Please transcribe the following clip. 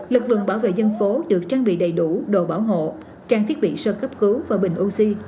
lực lượng bảo vệ dân phố được trang bị đầy đủ đồ bảo hộ trang thiết bị sơ cấp cứu và bình oxy